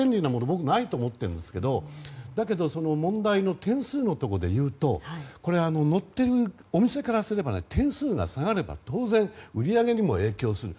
僕はないと思っているんですけどだけど問題の点数のところでいうと載っているお店からすれば点数が下がれば当然、売り上げにも影響する。